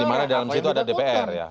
dimana dalam situ ada dpr ya